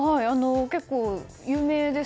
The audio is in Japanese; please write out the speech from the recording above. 結構、有名です。